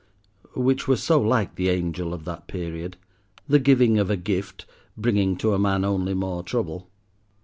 Which was so like the angel of that period, the giving of a gift, bringing to a man only more trouble.